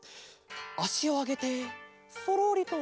あしをあげてそろりとおろす。